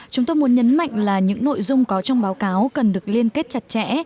chúng tôi muốn nhấn mạnh là những nội dung có trong báo cáo cần được liên kết chặt chẽ